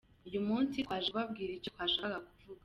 Uyu munsi twaje kubabwira icyo twashakaga kuvuga.